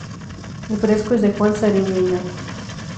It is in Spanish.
El fresco es de Juan Sariñena.